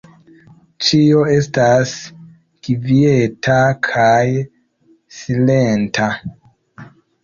Ĉio estas kvieta kaj silenta.